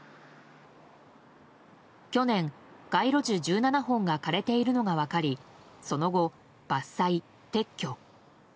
去年、街路樹１７本が枯れているのが分かりその後、伐採・撤去。